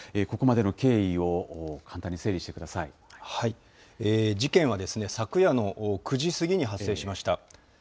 ここまでの経緯を簡単に整理して事件は昨夜の９時過ぎに発生しました。